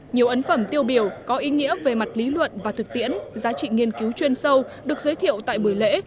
nhiều ấn phẩm tiêu biểu có ý nghĩa về mặt lý luận và thực tiễn giá trị nghiên cứu chuyên sâu được giới thiệu tại buổi lễ